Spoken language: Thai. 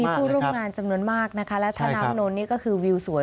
ผู้ร่วมงานจำนวนมากนะคะและท่าน้ำนนท์นี่ก็คือวิวสวย